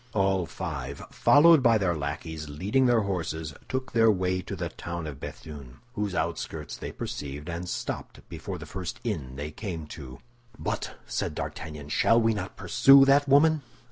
All five, followed by their lackeys leading their horses, took their way to the town of Béthune, whose outskirts they perceived, and stopped before the first inn they came to. "But," said D'Artagnan, "shall we not pursue that woman?"